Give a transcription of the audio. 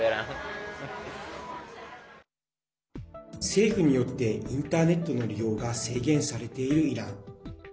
政府によってインターネットの利用が制限されているイラン。